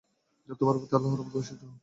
তোমার প্রতি আল্লাহর রহমত বর্ষিত হোক।